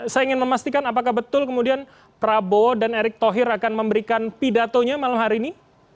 saya ingin memastikan apakah betul kemudian prabowo dan erick thohir akan memberikan pidatonya malam hari ini